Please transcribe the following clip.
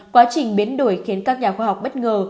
quá trình biến đổi khiến các nhà khoa học bất ngờ